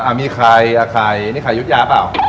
อ่ะ๑๒๓มีไข่นี่ไข่ยุดยาเปล่า